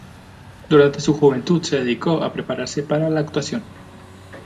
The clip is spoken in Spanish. Durante su juventud se dedicó a prepararse para la actuación.